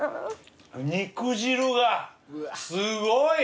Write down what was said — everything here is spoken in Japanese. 肉汁がすごい。